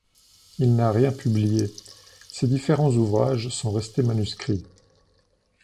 Il n’a rien publié ; ses différents ouvrages sont restés manuscrits.